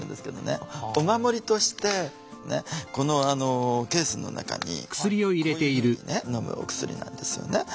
お守りとしてこのケースの中にこういうふうにねのむお薬なんですよね。